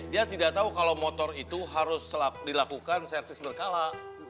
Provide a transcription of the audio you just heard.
dia tidak tahu kalau motor itu harus dilakukan servis berkala